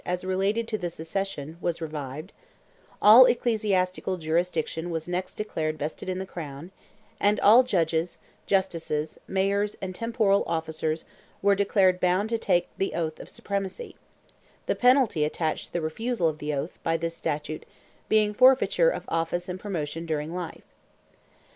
as related to the succession, was revived; all ecclesiastical jurisdiction was next declared vested in the Crown, and all "judges, justices, mayors, and temporal officers were declared bound to take tie oath of supremacy;" the penalty attached to the refusal of the oath, by this statute, being "forfeiture of office and promotion during life."